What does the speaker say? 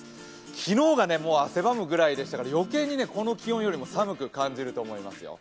昨日が汗ばむぐらいでしたからよけいにこの気温よりも寒く感じるようです。